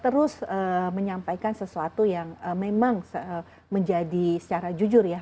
terus menyampaikan sesuatu yang memang menjadi secara jujur ya